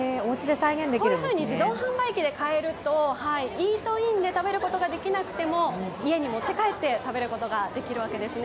こういうふうに自動販売機で買えるとイートインで食べることができなくても家に持って帰って食べることができるわけですね。